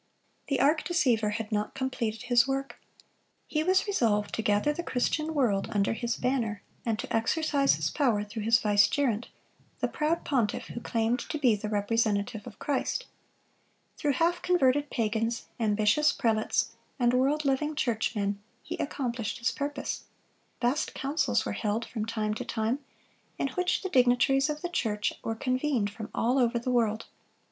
The arch deceiver had not completed his work. He was resolved to gather the Christian world under his banner, and to exercise his power through his vicegerent, the proud pontiff who claimed to be the representative of Christ. Through half converted pagans, ambitious prelates, and world loving churchmen, he accomplished his purpose. Vast councils were held from time to time, in which the dignitaries of the church were convened from all the world.